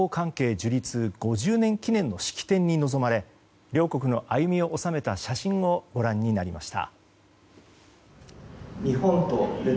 樹立５０年記念の式典に臨まれ両国の歩みを収めた写真をご覧になられました。